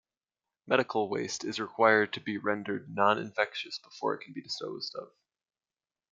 Medical waste is required to be rendered non-infectious before it can be disposed of.